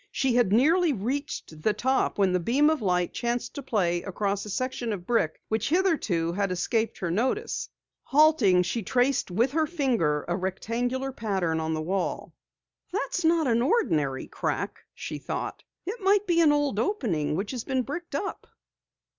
She had nearly reached the top when the beam of light chanced to play across a section of brick which hitherto had escaped her notice. Halting, she traced with her finger a rectangular pattern on the wall. "That's not an ordinary crack!" she thought. "It might be an old opening which has been bricked up!"